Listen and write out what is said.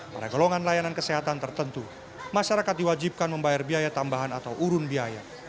pada golongan layanan kesehatan tertentu masyarakat diwajibkan membayar biaya tambahan atau urun biaya